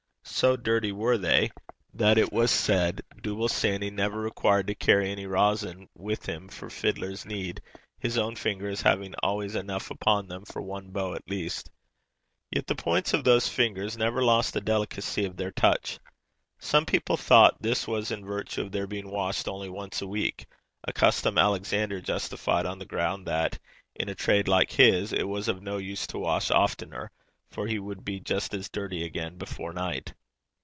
So dirty were they, that it was said Dooble Sanny never required to carry any rosin with him for fiddler's need, his own fingers having always enough upon them for one bow at least. Yet the points of those fingers never lost the delicacy of their touch. Some people thought this was in virtue of their being washed only once a week a custom Alexander justified on the ground that, in a trade like his, it was of no use to wash oftener, for he would be just as dirty again before night.